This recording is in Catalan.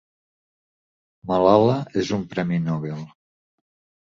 Malala és un Premi Nobel.